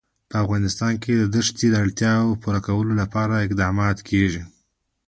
په افغانستان کې د دښتې د اړتیاوو پوره کولو لپاره اقدامات کېږي.